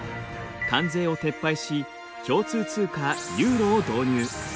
関税を撤廃し共通通貨ユーロを導入。